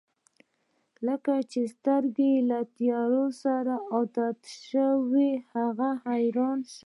کله چې سترګې یې له تیارې سره عادت شوې هغه حیران شو.